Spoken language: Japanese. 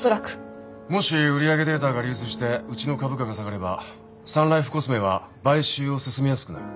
もし売り上げデータが流出してうちの株価が下がればサンライフコスメは買収を進めやすくなる。